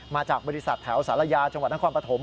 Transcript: มาจากบริษัทแถวศาลายาจังหวัดนักความประถม